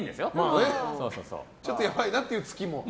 ちょっとやばいなという月も？